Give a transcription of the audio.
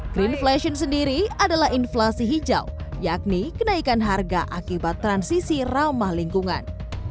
green flation sendiri adalah inflasi hijau yakni kenaikan harga akibat transisi ramah lingkungan